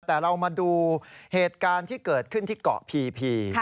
แต่เรามาดูเหตุการณ์ที่เกิดขึ้นที่เกาะพี